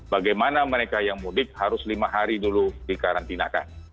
bagaimana mereka yang mudik harus lima hari dulu dikarantinakan